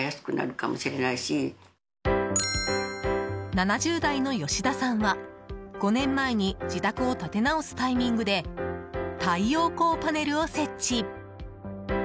７０代の吉田さんは５年前に自宅を建て直すタイミングで太陽光パネルを設置。